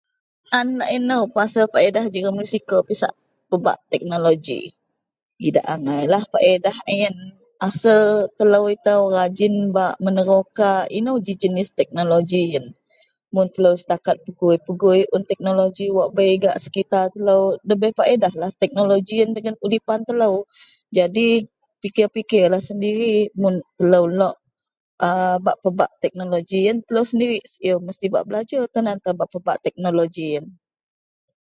An laei nou pasel paedah jegem risiko pisak pebak teknoloji. Idak angailah paedah a yen. Asel telou itou rajin bak meneroka inou ji jenis teknoloji yen. Mun telou setakat pegui-pegui un teknoloji yen wak ji bei gak sekitar telou ndabei paedahlah teknoloji yen dagen udipan telou. Jadi pikir-pikirlah sendiri mun telou lok a pebak teknoloji yen telou sendirik siew belajer betan-tan bak pebak teknoloji yen.